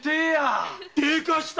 でかした！